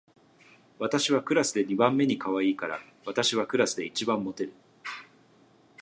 私はクラスで二番目にかわいいから、私はクラスで一番モテる